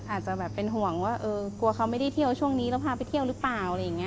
อาจจะแบบเป็นห่วงว่ากลัวเขาไม่ได้เที่ยวช่วงนี้แล้วพาไปเที่ยวหรือเปล่าอะไรอย่างนี้